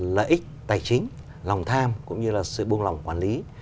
lợi ích tài chính lòng tham cũng như là sự buông lỏng quản lý